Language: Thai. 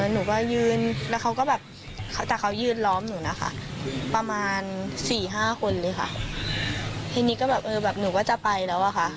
หนูก็ยืนแล้วเขาก็แบบแต่เขายืนล้อมหนูนะคะประมาณสี่ห้าคนเลยค่ะทีนี้ก็แบบเออแบบหนูก็จะไปแล้วอะค่ะ